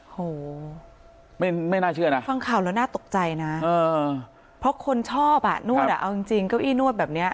โหไม่น่าเชื่อนะฟังข่าวแล้วน่าตกใจนะเพราะคนชอบอ่ะนวดอ่ะเอาจริงเก้าอี้นวดแบบเนี้ย